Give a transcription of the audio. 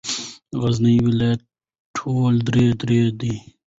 غرني ولایتونه ټول درې درې دي.